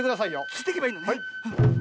ついてけばいいのね。